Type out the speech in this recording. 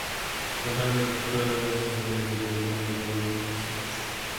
The typical two-tier system with codetermination is the German system.